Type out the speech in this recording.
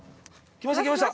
きましたきました。